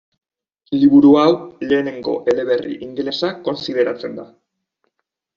Liburu hau lehenengo eleberri ingelesa kontsideratzen da.